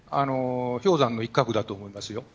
氷山の一角だと思います。